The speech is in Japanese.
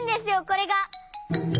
これが。